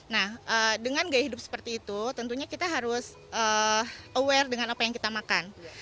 nah dengan gaya hidup seperti itu tentunya kita harus aware dengan apa yang kita makan